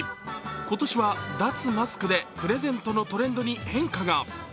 今年は脱マスクでプレゼントのトレンドに変化が。